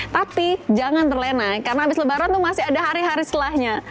tapi jangan terlena karena abis lebaran itu masih ada hari hari setelahnya